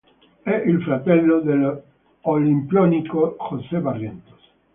È il fratello dell'olimpionico José Barrientos.